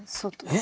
え？